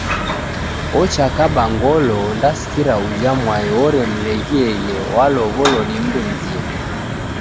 Ocha kaba ngolo ondasikira uja mwai oremleghieghe walow’olo ni mndu mzima.